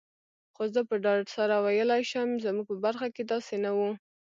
خو زه په ډاډ سره ویلای شم، زموږ په برخه کي داسي نه وو.